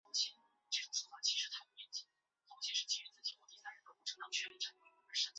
她被允许重新定义她的法律性别从男性变为女性并改名。